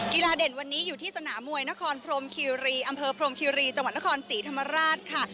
เด่นวันนี้อยู่ที่สนามมวยนครพรมคิรีอำเภอพรมคิรีจังหวัดนครศรีธรรมราชค่ะ